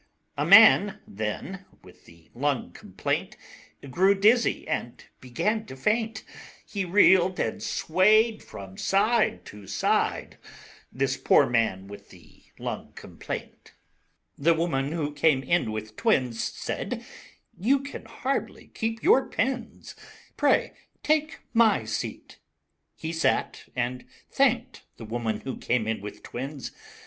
A Man then with the Lung Complaint Grew dizzy and began to faint; He reeled and swayed from side to side, This poor Man with the Lung Complaint. IV The Woman Who Came in with Twins Said, "You can hardly keep your pins; Pray, take my seat." He sat, and thanked The Woman Who Came in with Twins.